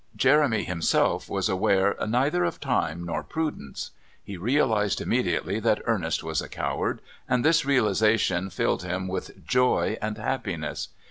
Jeremy himself was aware neither of time nor prudence. He realised immediately that Ernest was a coward, and this realisation filled him with joy and happiness.